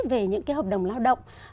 về những hợp đồng lao động